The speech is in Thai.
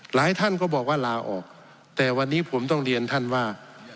หลายท่านก็บอกว่าลาออกแต่วันนี้ผมต้องเรียนท่านว่า